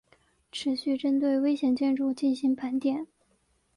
持续针对危险建筑进行盘点